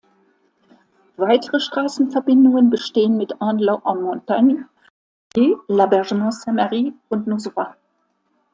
Weitere Straßenverbindungen bestehen mit Andelot-en-Montagne, Levier, Labergement-Saint-Marie und Nozeroy.